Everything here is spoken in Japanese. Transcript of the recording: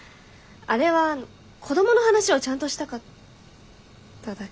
あれは子どもの話をちゃんとしたかっただけで。